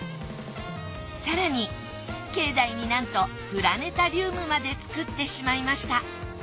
更に境内になんとプラネタリウムまで作ってしまいました。